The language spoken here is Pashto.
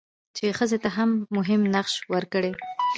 چې ښځې ته مهم نقش ورکړي؛